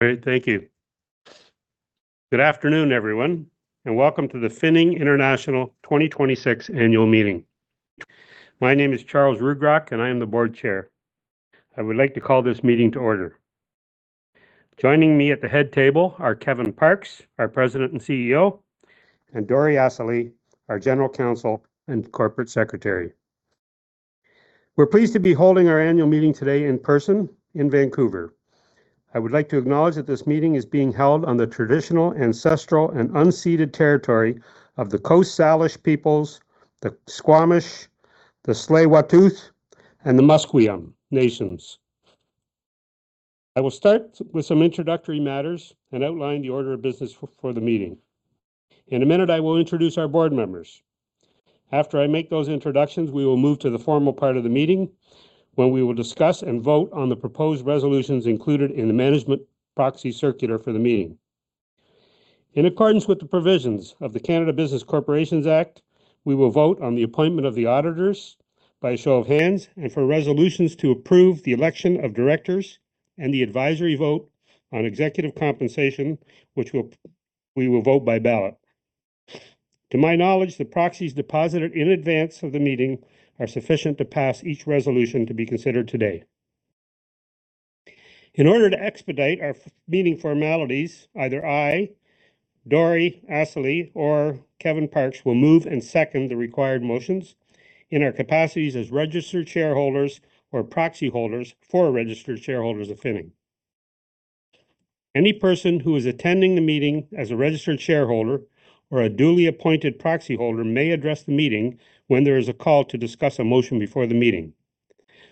Great. Thank you. Good afternoon, everyone, and welcome to the Finning International 2026 Annual Meeting. My name is Charles Ruigrok, and I am the Board Chair. I would like to call this meeting to order. Joining me at the head table are Kevin Parkes, our President and CEO, and Dori Assaly, our General Counsel and Corporate Secretary. We're pleased to be holding our annual meeting today in person in Vancouver. I would like to acknowledge that this meeting is being held on the traditional ancestral and unceded territory of the Coast Salish peoples, the Squamish, the Tsleil-Waututh, and the Musqueam Nation. I will start with some introductory matters and outline the order of business for the meeting. In a minute, I will introduce our board members. After I make those introductions, we will move to the formal part of the meeting when we will discuss and vote on the proposed resolutions included in the management proxy circular for the meeting. In accordance with the provisions of the Canada Business Corporations Act, we will vote on the appointment of the auditors by show of hands and for resolutions to approve the election of directors and the advisory vote on executive compensation, we will vote by ballot. To my knowledge, the proxies deposited in advance of the meeting are sufficient to pass each resolution to be considered today. In order to expedite our meeting formalities, either I, Dori Assaly, or Kevin Parkes will move and second the required motions in our capacities as registered shareholders or proxy holders for registered shareholders of Finning. Any person who is attending the meeting as a registered shareholder or a duly appointed proxy holder may address the meeting when there is a call to discuss a motion before the meeting.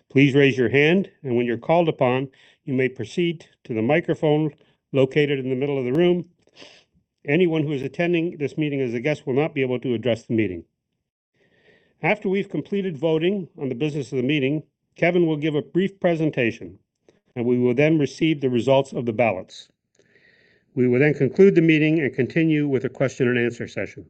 Please raise your hand, and when you're called upon, you may proceed to the microphone located in the middle of the room. Anyone who is attending this meeting as a guest will not be able to address the meeting. After we've completed voting on the business of the meeting, Kevin will give a brief presentation, and we will then receive the results of the ballots. We will then conclude the meeting and continue with a question and answer session.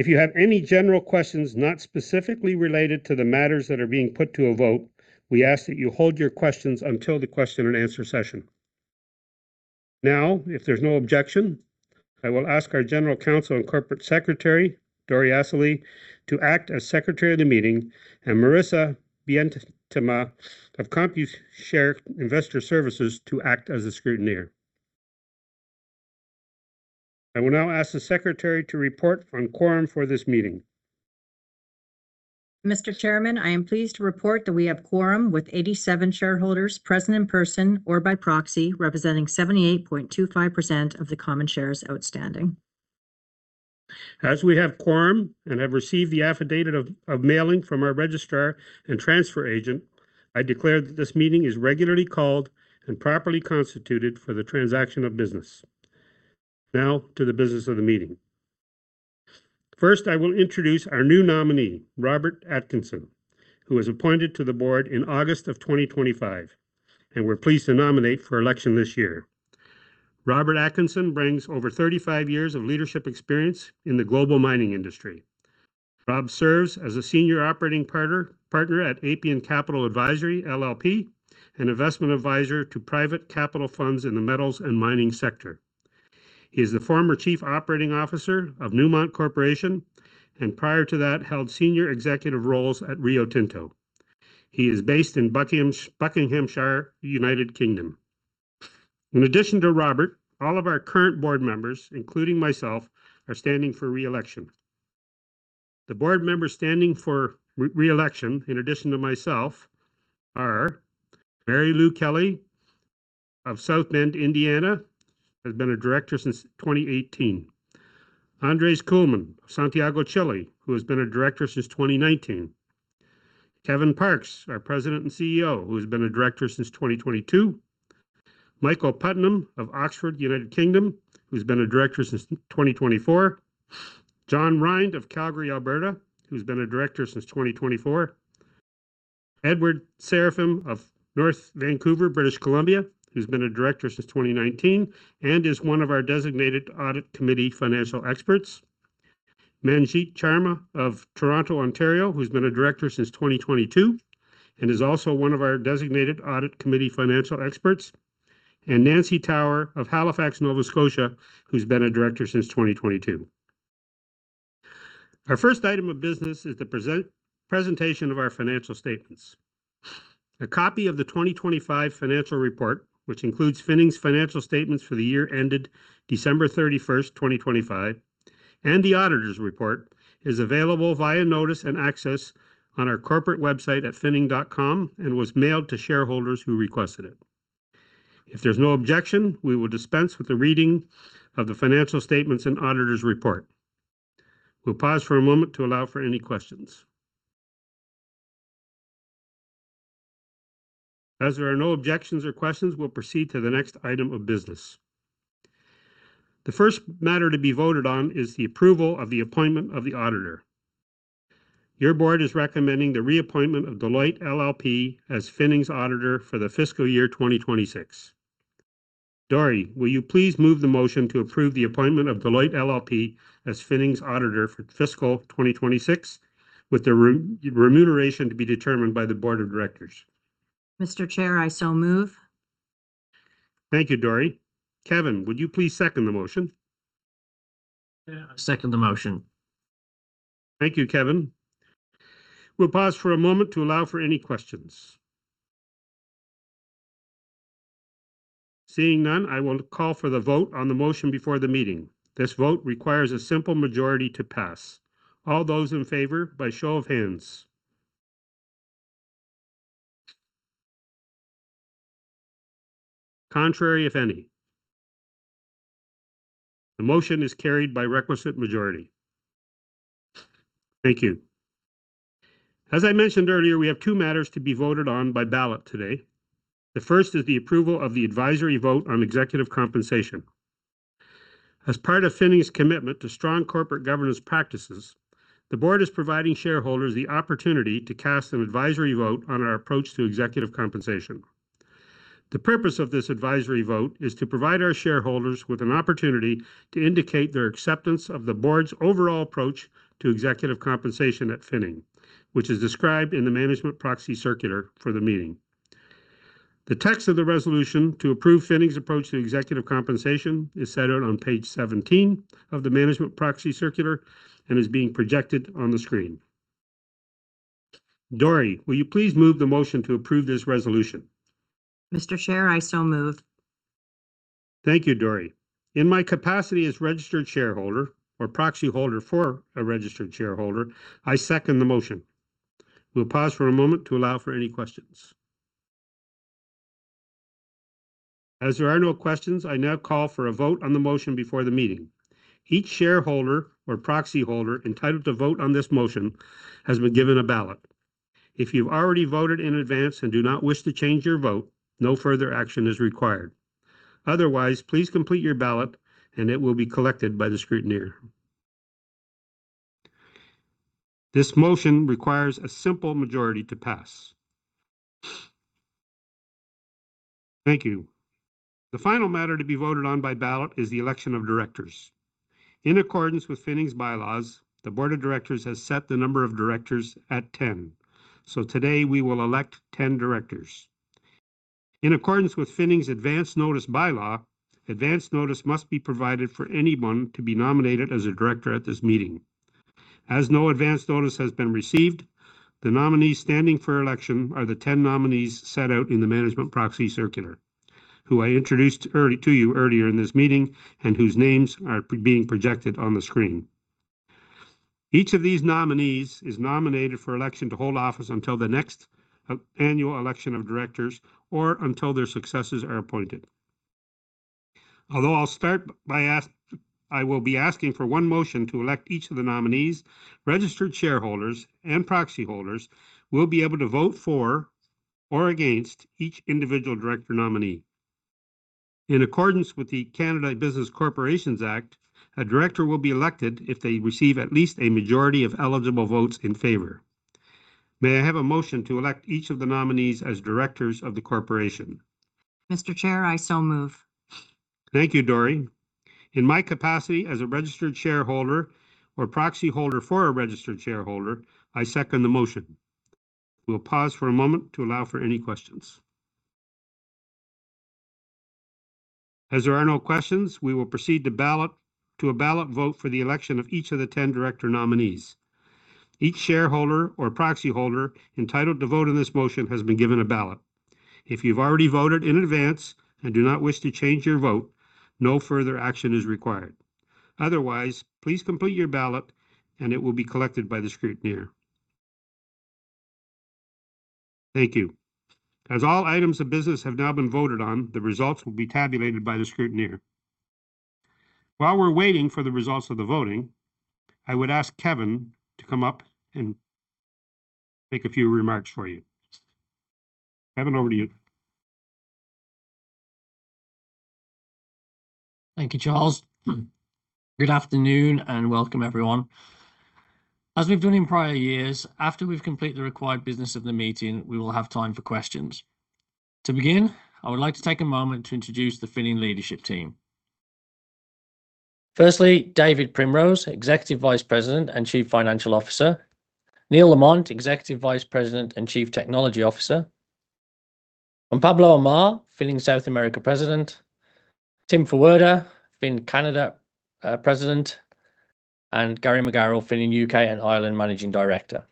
If you have any general questions not specifically related to the matters that are being put to a vote, we ask that you hold your questions until the question and answer session. If there's no objection, I will ask our General Counsel and Corporate Secretary, Dori Assaly, to act as Secretary of the meeting and Marissa Beintema of Computershare Investor Services to act as a scrutineer. I will now ask the secretary to report on quorum for this meeting. Mr. Chairman, I am pleased to report that we have quorum with 87 shareholders present in person or by proxy representing 78.25% of the common shares outstanding. As we have quorum and have received the affidavit of mailing from our registrar and transfer agent, I declare that this meeting is regularly called and properly constituted for the transaction of business. To the business of the meeting. First, I will introduce our new nominee, Robert Atkinson, who was appointed to the board in August of 2025 and we're pleased to nominate for election this year. Robert Atkinson brings over 35 years of leadership experience in the global mining industry. Rob serves as a senior operating partner at Appian Capital Advisory LLP, an investment advisor to private capital funds in the metals and mining sector. He is the former Chief Operating Officer of Newmont Corporation, and prior to that, held senior executive roles at Rio Tinto. He is based in Buckinghamshire, United Kingdom. In addition to Robert, all of our current board members, including myself, are standing for re-election. The board members standing for re-election, in addition to myself, are Mary Lou Kelley of South Bend, Indiana, has been a Director since 2018; Andrés Kuhlmann, Santiago, Chile, who has been a Director since 2019; Kevin Parkes, our President and CEO, who has been a Director since 2022; Michael Putnam of Oxford, United Kingdom, who's been a Director since 2024; John Rhind of Calgary, Alberta, who's been a Director since 2024; Edward Seraphim of North Vancouver, British Columbia, who's been a Director since 2019 and is one of our designated audit committee financial experts; Manjit Sharma of Toronto, Ontario, who's been a Director since 2022 and is also one of our designated audit committee financial experts; and Nancy Tower of Halifax, Nova Scotia, who's been a Director since 2022. Our first item of business is the presentation of our financial statements. A copy of the 2025 financial report, which includes Finning's financial statements for the year ended December 31st, 2025, and the auditor's report, is available via notice and access on our corporate website at finning.com and was mailed to shareholders who requested it. If there's no objection, we will dispense with the reading of the financial statements and auditor's report. We'll pause for a moment to allow for any questions. As there are no objections or questions, we'll proceed to the next item of business. The first matter to be voted on is the approval of the appointment of the auditor. Your board is recommending the reappointment of Deloitte LLP as Finning's auditor for the fiscal year 2026. Dori, will you please move the motion to approve the appointment of Deloitte LLP as Finning's auditor for fiscal 2026, with the remuneration to be determined by the board of directors? Mr. Chair, I so move. Thank you, Dori. Kevin, would you please second the motion? Yeah, I second the motion. Thank you, Kevin. We'll pause for a moment to allow for any questions. Seeing none, I will call for the vote on the motion before the meeting. This vote requires a simple majority to pass. All those in favor, by show of hands. Contrary, if any. The motion is carried by requisite majority. Thank you. As I mentioned earlier, we have two matters to be voted on by ballot today. The first is the approval of the advisory vote on executive compensation. As part of Finning's commitment to strong corporate governance practices, the board is providing shareholders the opportunity to cast an advisory vote on our approach to executive compensation. The purpose of this advisory vote is to provide our shareholders with an opportunity to indicate their acceptance of the board's overall approach to executive compensation at Finning, which is described in the management proxy circular for the meeting. The text of the resolution to approve Finning's approach to executive compensation is set out on page 17 of the management proxy circular and is being projected on the screen. Dori, will you please move the motion to approve this resolution? Mr. Chair, I so move. Thank you, Dori. In my capacity as registered shareholder, or proxy holder for a registered shareholder, I second the motion. We'll pause for a moment to allow for any questions. There are no questions, I now call for a vote on the motion before the meeting. Each shareholder or proxy holder entitled to vote on this motion has been given a ballot. If you've already voted in advance and do not wish to change your vote, no further action is required. Otherwise, please complete your ballot, and it will be collected by the scrutineer. This motion requires a simple majority to pass. Thank you. The final matter to be voted on by ballot is the election of directors. In accordance with Finning's bylaws, the board of directors has set the number of directors at 10. Today, we will elect 10 directors. In accordance with Finning's advanced notice bylaw, advance notice must be provided for anyone to be nominated as a director at this meeting. As no advance notice has been received, the nominees standing for election are the 10 nominees set out in the management proxy circular, who I introduced to you earlier in this meeting and whose names are being projected on the screen. Each of these nominees is nominated for election to hold office until the next annual election of directors or until their successors are appointed. Although I will be asking for one motion to elect each of the nominees, registered shareholders and proxy holders will be able to vote for or against each individual director nominee. In accordance with the Canada Business Corporations Act, a director will be elected if they receive at least a majority of eligible votes in favor. May I have a motion to elect each of the nominees as directors of the corporation? Mr. Chair, I so move. Thank you, Dori. In my capacity as a registered shareholder, or proxy holder for a registered shareholder, I second the motion. We'll pause for a moment to allow for any questions. As there are no questions, we will proceed to a ballot vote for the election of each of the 10 director nominees. Each shareholder or proxy holder entitled to vote in this motion has been given a ballot. If you've already voted in advance and do not wish to change your vote, no further action is required. Otherwise, please complete your ballot, and it will be collected by the scrutineer. Thank you. As all items of business have now been voted on, the results will be tabulated by the scrutineer. While we're waiting for the results of the voting, I would ask Kevin to come up and make a few remarks for you. Kevin, over to you. Thank you, Charles. Good afternoon, and welcome everyone. As we've done in prior years, after we've completed the required business of the meeting, we will have time for questions. To begin, I would like to take a moment to introduce the Finning leadership team. Firstly, David Primrose, Executive Vice President and Chief Financial Officer, Neal Lamont, Executive Vice President and Chief Technology Officer, and Pablo Amar, Finning South America President, Tim Ferwerda, Finning Canada President, and Gary Megarrell, Finning UK and Ireland Managing Director.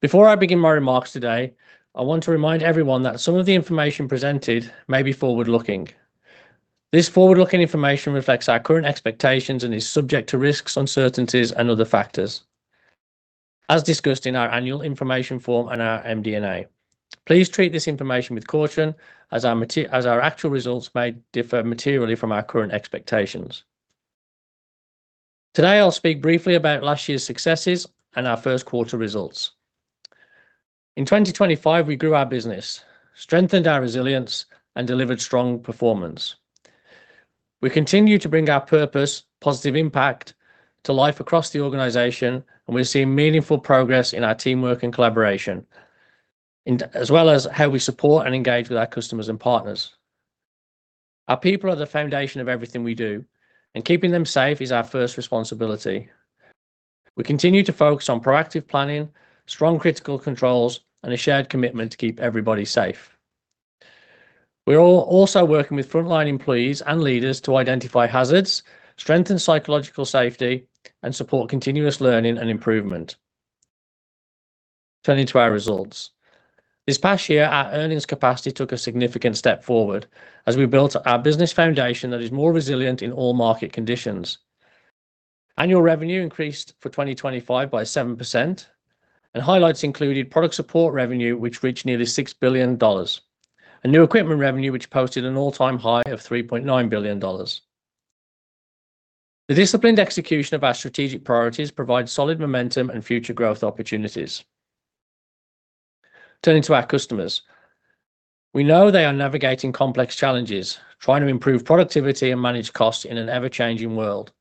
Before I begin my remarks today, I want to remind everyone that some of the information presented may be forward-looking. This forward-looking information reflects our current expectations and is subject to risks, uncertainties, and other factors, as discussed in our annual information form and our MD&A. Please treat this information with caution as our actual results may differ materially from our current expectations. Today, I'll speak briefly about last year's successes and our first quarter results. In 2025, we grew our business, strengthened our resilience, and delivered strong performance. We continue to bring our purpose, positive impact, to life across the organization, and we're seeing meaningful progress in our teamwork and collaboration, and as well as how we support and engage with our customers and partners. Our people are the foundation of everything we do, and keeping them safe is our first responsibility. We continue to focus on proactive planning, strong critical controls, and a shared commitment to keep everybody safe. We're all also working with frontline employees and leaders to identify hazards, strengthen psychological safety, and support continuous learning and improvement. Turning to our results. This past year, our earnings capacity took a significant step forward as we built our business foundation that is more resilient in all market conditions. Annual revenue increased for 2025 by 7%, and highlights included product support revenue, which reached nearly 6 billion dollars, and new equipment revenue, which posted an all-time high of 3.9 billion dollars. The disciplined execution of our strategic priorities provide solid momentum and future growth opportunities. Turning to our customers. We know they are navigating complex challenges, trying to improve productivity and manage costs in an ever-changing world.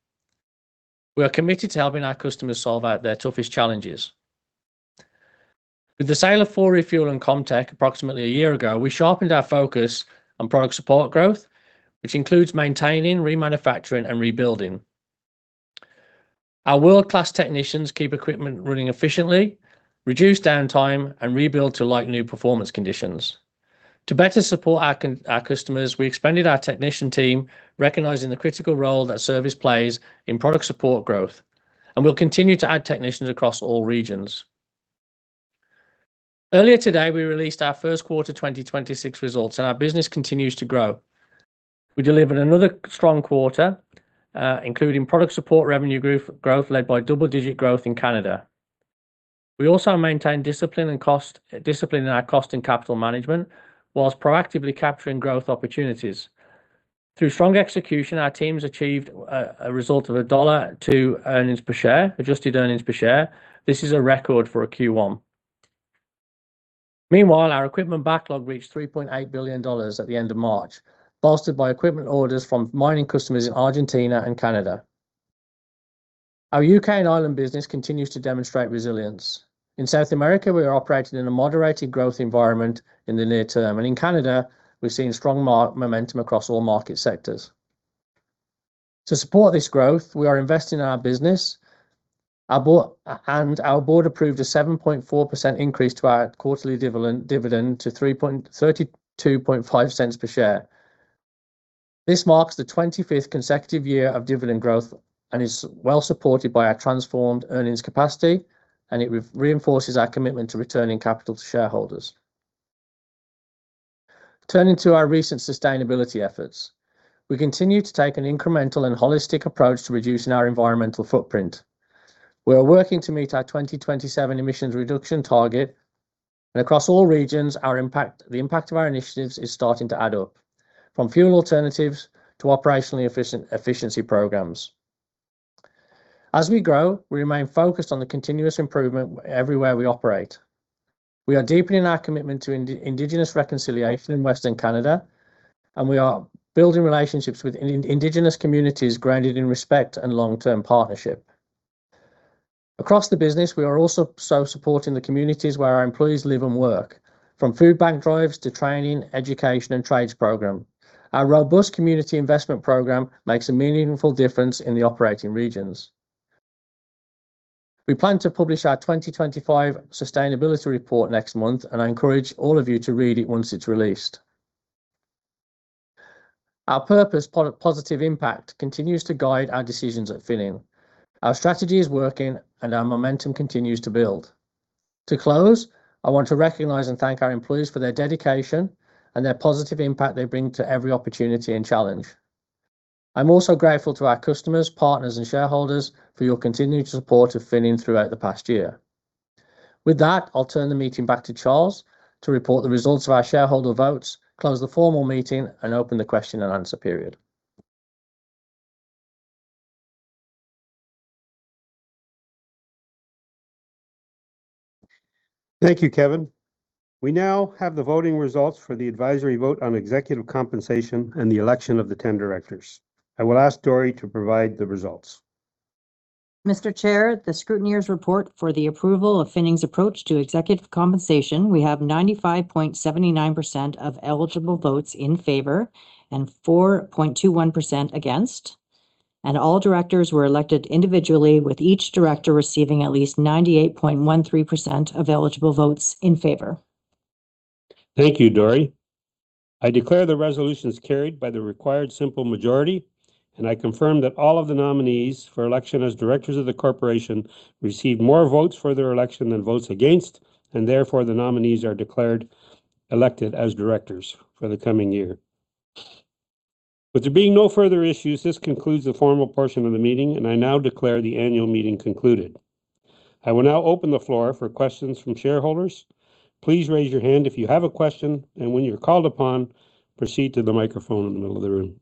We are committed to helping our customers solve out their toughest challenges. With the sale of 4Refuel and ComTech approximately a year ago, we sharpened our focus on product support growth, which includes maintaining, remanufacturing, and rebuilding. Our world-class technicians keep equipment running efficiently, reduce downtime, and rebuild to like-new performance conditions. To better support our customers, we expanded our technician team, recognizing the critical role that service plays in product support growth, and we'll continue to add technicians across all regions. Earlier today, we released our first quarter 2026 results, our business continues to grow. We delivered another strong quarter, including product support revenue growth led by double-digit growth in Canada. We also maintain discipline in our cost and capital management whilst proactively capturing growth opportunities. Through strong execution, our teams achieved a result of CAD 1 to earnings per share, adjusted earnings per share. This is a record for a Q1. Meanwhile, our equipment backlog reached 3.8 billion dollars at the end of March, bolstered by equipment orders from mining customers in Argentina and Canada. Our U.K. and Ireland business continues to demonstrate resilience. In South America, we are operating in a moderated growth environment in the near term. In Canada, we're seeing strong momentum across all market sectors. To support this growth, we are investing in our business. Our board approved a 7.4% increase to our quarterly dividend to [32.5] per share. This marks the 25th consecutive year of dividend growth and is well supported by our transformed earnings capacity, it reinforces our commitment to returning capital to shareholders. Turning to our recent sustainability efforts. We continue to take an incremental and holistic approach to reducing our environmental footprint. We are working to meet our 2027 emissions reduction target. Across all regions, the impact of our initiatives is starting to add up, from fuel alternatives to operationally efficiency programs. As we grow, we remain focused on the continuous improvement everywhere we operate. We are deepening our commitment to Indigenous reconciliation in Western Canada, and we are building relationships with Indigenous communities grounded in respect and long-term partnership. Across the business, we are also supporting the communities where our employees live and work, from food bank drives to training, education, and trades program. Our robust community investment program makes a meaningful difference in the operating regions. We plan to publish our 2025 sustainability report next month, and I encourage all of you to read it once it's released. Our purpose, positive impact, continues to guide our decisions at Finning. Our strategy is working, and our momentum continues to build. To close, I want to recognize and thank our employees for their dedication and their positive impact they bring to every opportunity and challenge. I'm also grateful to our customers, partners, and shareholders for your continued support of Finning throughout the past year. With that, I'll turn the meeting back to Charles to report the results of our shareholder votes, close the formal meeting, and open the question and answer period. Thank you, Kevin. We now have the voting results for the advisory vote on executive compensation and the election of the 10 directors. I will ask Dori to provide the results. Mr. Chair, the scrutineer's report for the approval of Finning's approach to executive compensation, we have 95.79% of eligible votes in favor and 4.21% against. All directors were elected individually, with each director receiving at least 98.13% of eligible votes in favor. Thank you, Dori. I declare the resolutions carried by the required simple majority, and I confirm that all of the nominees for election as directors of the corporation received more votes for their election than votes against, and therefore, the nominees are declared elected as directors for the coming year. With there being no further issues, this concludes the formal portion of the meeting, and I now declare the annual meeting concluded. I will now open the floor for questions from shareholders. Please raise your hand if you have a question, and when you're called upon, proceed to the microphone in the middle of the room.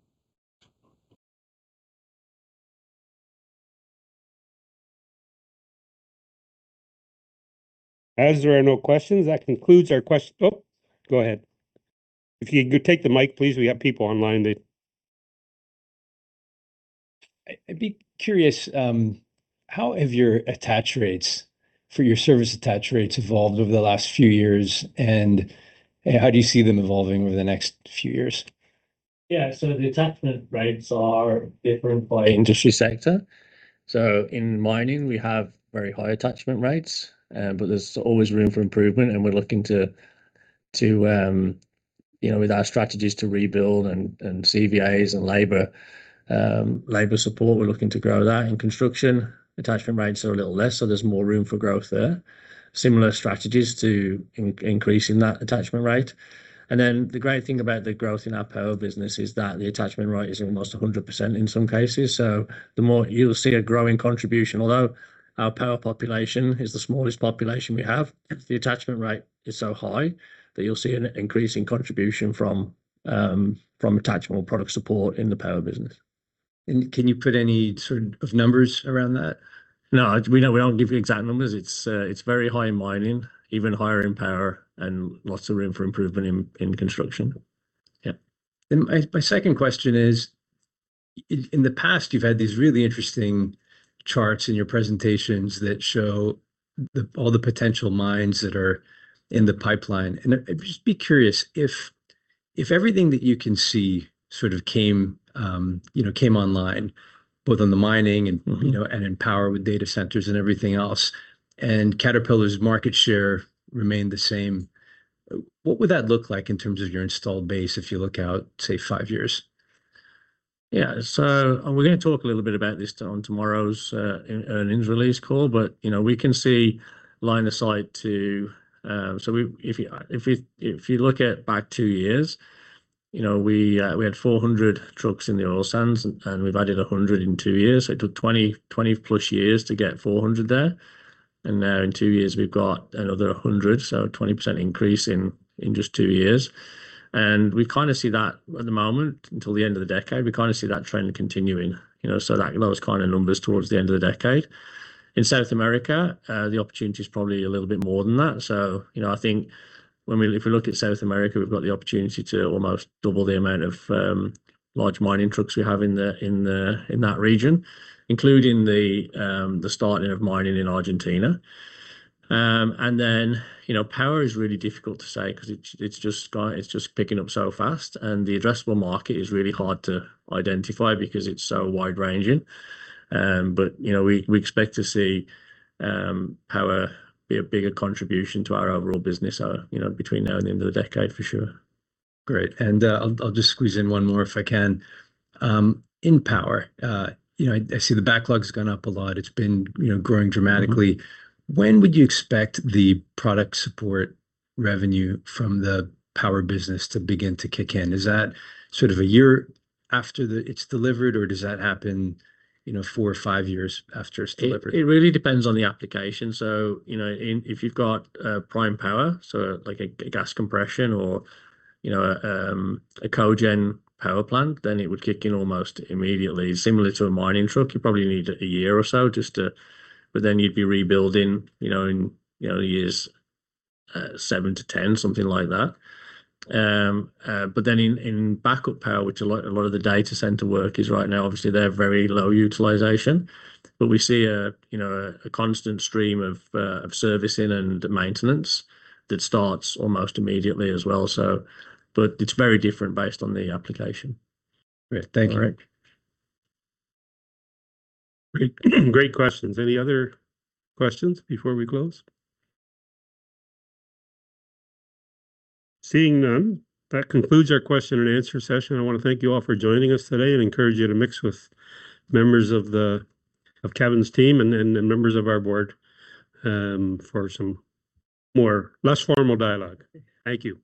As there are no questions, that concludes our, oh, go ahead. If you could take the mic, please. I'd be curious, how have your service attach rates evolved over the last few years, and how do you see them evolving over the next few years? Yeah. The attachment rates are different by industry sector. In mining, we have very high attachment rates, but there's always room for improvement, and we're looking to, you know, with our strategies to rebuild and CVAs and labor support, we're looking to grow that. In construction, attachment rates are a little less, there's more room for growth there. Similar strategies to increasing that attachment rate. The great thing about the growth in our power business is that the attachment rate is almost 100% in some cases. You'll see a growing contribution. Although our power population is the smallest population we have, the attachment rate is so high that you'll see an increasing contribution from attachable product support in the power business. Can you put any sort of numbers around that? No. We don't give you exact numbers. It's very high in mining, even higher in power, and lots of room for improvement in construction. Yeah. My second question is, in the past you've had these really interesting charts in your presentations that show the, all the potential mines that are in the pipeline. I'd just be curious, if everything that you can see sort of came, you know, came online, both on the mining and, you know, and in power with data centers and everything else, and Caterpillar's market share remained the same, what would that look like in terms of your installed base if you look out, say, five years? Yeah. We're gonna talk a little bit about this on tomorrow's earnings release call. You know, we can see line of sight to. We, if you look at back two years, you know, we had 400 trucks in the Oil Sands, and we've added 100 in two years. It took 20+ years to get 400 there, and now in two years we've got another 100, so 20% increase in just two years. We kind of see that at the moment until the end of the decade. We kind of see that trend continuing, you know. Those kind of numbers towards the end of the decade. In South America, the opportunity's probably a little bit more than that. You know, I think when we, if we look at South America, we've got the opportunity to almost double the amount of large mining trucks we have in that region, including the starting of mining in Argentina. You know, power is really difficult to say 'cause it's just picking up so fast, and the addressable market is really hard to identify because it's so wide-ranging. You know, we expect to see power be a bigger contribution to our overall business, you know, between now and the end of the decade for sure. Great. I'll just squeeze in one more if I can. In power, you know, I see the backlog's gone up a lot. It's been, you know, growing dramatically. When would you expect the product support revenue from the power business to begin to kick in? Is that sort of a year after it's delivered, or does that happen, you know, four or five years after it's delivered? It really depends on the application. You know, in, if you've got prime power, like a gas compression or, you know, a cogen power plant, then it would kick in almost immediately. Similar to a mining truck. You probably need [a] year or so. Then you'd be rebuilding, you know, in, you know, years, seven to 10, something like that. In backup power, which a lot of the data center work is right now, obviously they're very low utilization. We see a, you know, a constant stream of servicing and maintenance that starts almost immediately as well. It's very different based on the application. Great. Thank you. All right. Great. Great questions. Any other questions before we close? Seeing none, that concludes our question and answer session. I wanna thank you all for joining us today and encourage you to mix with members of Kevin's team and members of our board for some more less formal dialogue. Thank you.